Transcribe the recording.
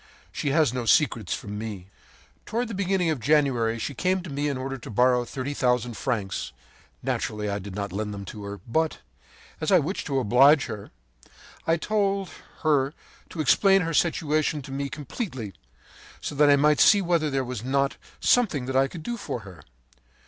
She has no secrets from me. “Toward the beginning of January she came to me in order to borrow thirty thousand francs. Naturally, I did not lend them to her; but, as I wished to oblige her, I told her to explain her situation to me completely, so that I might see whether there was not something I could do for her.